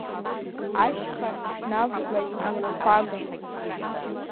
Ашьха ишнавҵлак амрахәага…